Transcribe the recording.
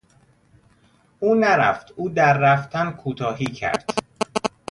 او نرفت، او در رفتن کوتاهی کرد.